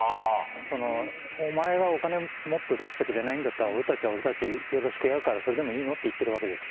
お前がお金もっと出してくれないんだったら、俺たちでよろしくやるからそれでいいのって言ってるわけですよ。